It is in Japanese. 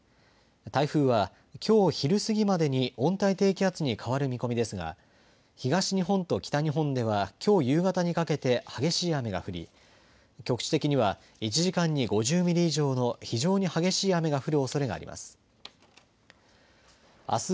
台風はきょう昼過ぎまでに温帯低気圧に変わる見込みですが東日本と北日本ではきょう夕方にかけて激しい雨が降り、局地的には１時間に５０ミリ以上の非常に激しい雨が降るおそれがあります。